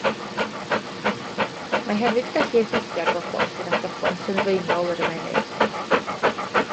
Mae hefyd yn gallu effeithio ar bobl sydd â phroblem sylfaenol yr ymennydd.